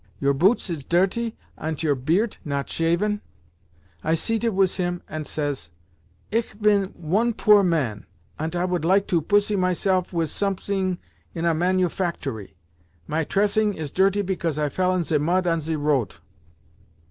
Your boots is dirty, ant your beart not shaven.' I seated wis him, ant says, 'Ich bin one poor man, ant I would like to pusy myself wis somesing in a manufactory. My tressing is dirty because I fell in ze mud on ze roat.